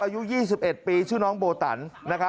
อายุ๒๑ปีชื่อน้องโบตัน